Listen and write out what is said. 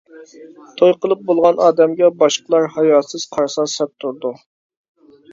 توي قىلىپ بولغان ئادەمگە باشقىلار ھاياسىز قارىسا سەت تۇرىدۇ.